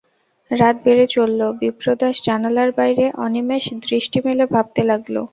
রাত বেড়ে চলল, বিপ্রদাস জানালার বাইরে অনিমেষ দৃষ্টি মেলে ভাবতে লাগল।